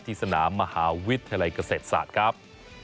สนามมหาวิทยาลัยเกษตรศาสตร์ครับ